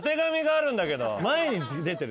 前に出てる。